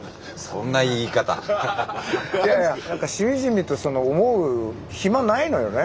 いやいやしみじみと思う暇ないのよね。